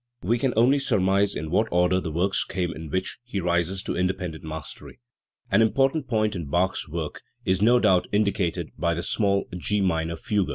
We can only surmise in what order the works came in which he rises to independent mastery*. An important point in Bach's work is no doubt indicated by the small G minor fugue (Peters IV, No, 7; B. G.